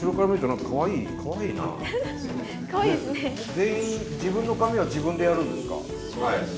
全員自分の髪は自分でやるんですか？